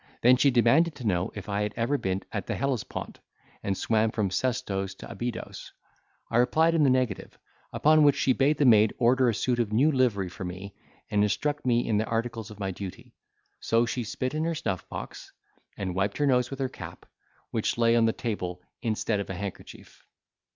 Then she demanded to know if I had ever been at the Hellespont, and swam from Sestos to Abydos. I replied in the negative; upon which she bade the maid order a suit of new livery for me, and instruct me in the articles of my duty: so she spit in her snuff box, and wiped her nose with her cap, which lay on the table, instead of a handkerchief.